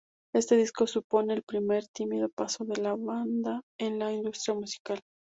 Este disco supone el primer tímido paso de la banda en la industria musical.